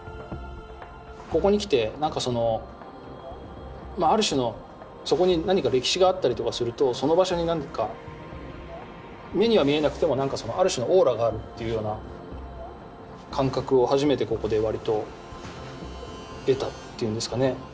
ここに来てなんかそのまあある種のそこに何か歴史があったりとかするとその場所に何か目には見えなくてもなんかある種のオーラがあるっていうような感覚を初めてここで割と得たっていうんですかね。